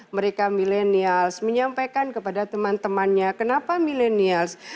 mereka millennials menyampaikan kepada teman temannya kenapa millennials